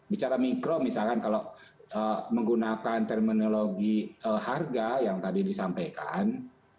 bicara mikro misalkan kalau menggunakan terminologi harga yang tadi disampaikan